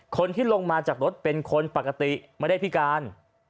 คนที่ลงมาจากรถเป็นคนปกติไม่ได้พิการ